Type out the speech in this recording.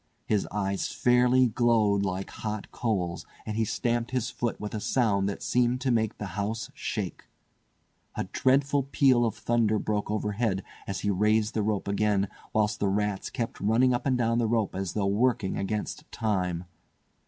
His eyes fairly glowed like hot coals, and he stamped his foot with a sound that seemed to make the house shake. A dreadful peal of thunder broke overhead as he raised the rope again, whilst the rats kept running up and down the rope as though working against time.